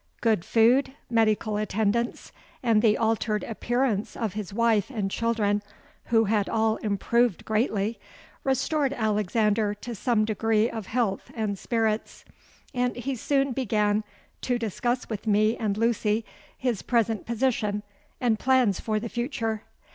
Good food, medical attendance, and the altered appearance of his wife and children, who had all improved greatly, restored Alexander to some degree of health and spirits; and he soon began to discuss with me and Lucy his present position and plans for the future.